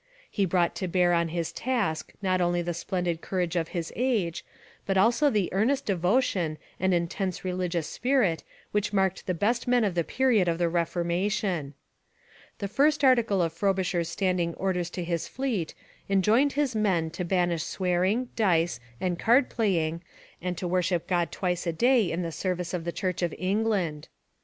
He brought to bear on his task not only the splendid courage of his age, but also the earnest devotion and intense religious spirit which marked the best men of the period of the Reformation. The first article of Frobisher's standing orders to his fleet enjoined his men to banish swearing, dice, and card playing and to worship God twice a day in the service of the Church of England.